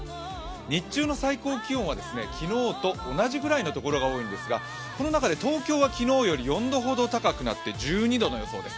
日中の最高気温は昨日と同じぐらいのところが多いですがこの中で東京は昨日より４度ほど高くなって１２度の予想です。